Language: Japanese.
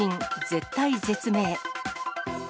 絶体絶命。